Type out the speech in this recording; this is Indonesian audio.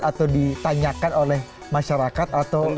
atau ditanyakan oleh masyarakat atau